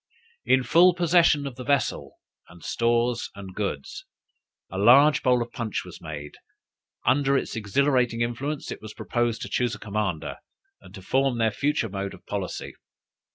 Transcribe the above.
In full possession of the vessel and stores and goods, a large bowl of punch was made; under its exhilarating influence, it was proposed to choose a commander, and to form their future mode of policy.